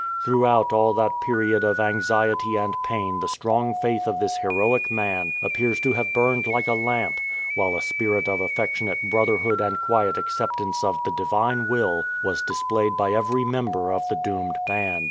Throughout all that period of anxiety and pain the strong faith of this heroic man appears to have burned like a lamp, while a s^^irit of affectionate brotherhood and quiet acceptance of the Divine will was displayed by every member of the doomed band.